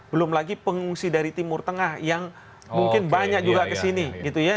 belum lagi pengungsi dari timur tengah yang mungkin banyak juga kesini gitu ya